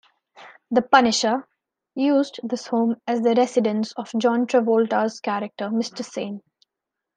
"The Punisher" used this home as the residence of John Travolta's character Mr. Saint.